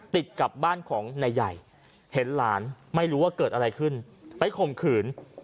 ติดกับบ้านของนายใหญ่เห็นหลานไม่รู้ว่าเกิดอะไรขึ้นไปข่มขืน